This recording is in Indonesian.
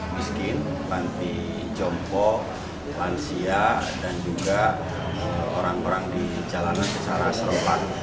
miskin panti jompo lansia dan juga orang orang di jalanan secara serempak